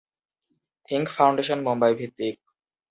Think Foundation Mumbai ভিত্তিক।